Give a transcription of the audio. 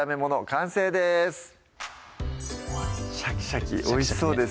完成ですシャキシャキおいしそうです